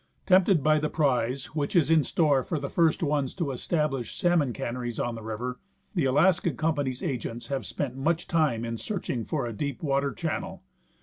Tempted by the prize which is in store for the first ones to establish sal mon canneries on the river, the Alaska company's agents have spent much time in searching for a deep watei channel.